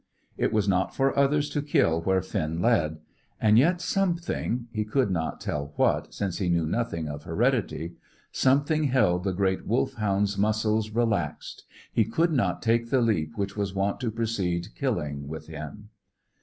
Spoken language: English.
It was not for others to kill where Finn led. And yet something he could not tell what, since he knew nothing of heredity something held the great Wolfhound's muscles relaxed; he could not take the leap which was wont to precede killing with him.